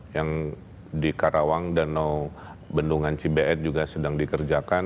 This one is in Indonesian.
yang di karawang danau bendungan cibeet juga sedang dikerjakan